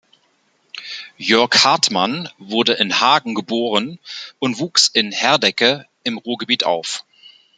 Jörg Hartmann wurde in Hagen geboren und wuchs in Herdecke im Ruhrgebiet auf.